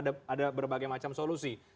ada berbagai macam solusi